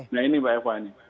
nah ini mbak eva ini